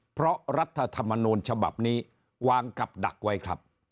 เพราะรัฐธรรมนูญฉบับนี้วางกับดักไว้ครับ